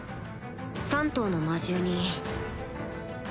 ３頭の魔獣に